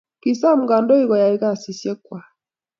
Kisom kandoik koyai kasisiek kwai